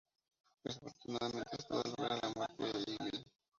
Desafortunadamente, esto da lugar a la muerte de Iggy.